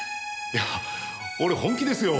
いや俺本気ですよ！